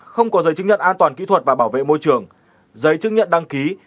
không có giấy chứng nhận an toàn kỹ thuật và bảo vệ môi trường giấy chứng nhận đăng ký